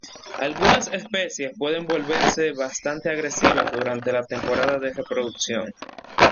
Algunas especies pueden volverse bastante agresivas durante la temporada de reproducción.